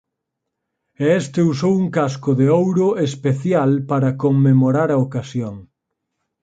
E este usou un casco de ouro especial para conmemorar a ocasión.